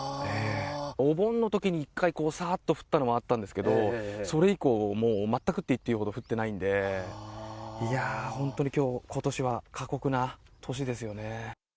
お盆のときに１回、さーっと降ったのはあったんですけど、それ以降、もう全くと言っていいほど降ってないんで、いやー、本当にことしは過酷な年ですよね。